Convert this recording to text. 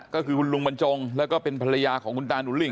ก็คือคุณลุงบรรจงแล้วก็เป็นภรรยาของคุณตาหนูลิง